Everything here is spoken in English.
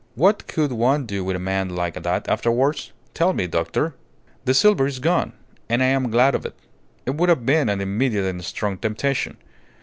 "What could one do with a man like that, afterwards tell me, doctor? The silver is gone, and I am glad of it. It would have been an immediate and strong temptation.